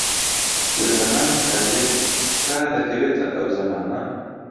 لە زەمانی حەزرەتی تا دەکەوێتە ئەو زەمانە